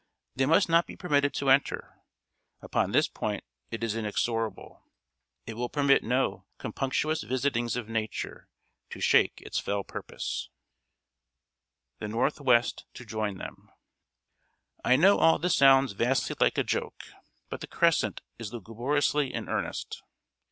They must not be permitted to enter. Upon this point it is inexorable. It will permit no compunctious visitings of nature to shake its fell purpose. [Sidenote: THE NORTHWEST TO JOIN THEM.] I know all this sounds vastly like a joke; but The Crescent is lugubriously in earnest.